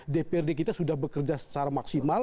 dprd kita sudah bekerja secara maksimal